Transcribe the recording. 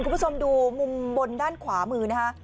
คุณผู้ชมดูมุมบนด้านขวามือนะคะ